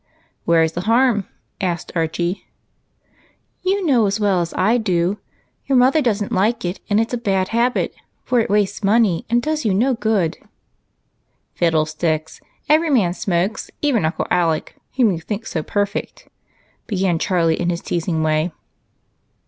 "Where's the harm?" asked Archie. " You know as well as I do ; your mother does n't like it, and it's a bad habit, for it wastes money and does you no good." " Fiddle sticks ! every man smokes, even Uncle Alec, whom you think so perfect," began Charlie, in his teasing way.